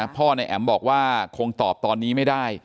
พ่อนายแอ๋มบอกว่าคงตอบตอนนี้ไม่ได้